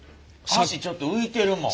足ちょっと浮いてるもん。